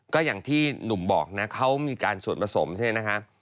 ก็อย่างที่หนุ่มบอกนะเขามีการส่วนผสมใช่ไหมฮะ